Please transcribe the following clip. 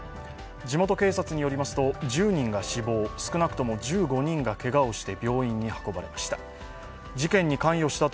地元警察によりますと１０人が死亡少なくとも１５人がけがをして病院に運ばれました。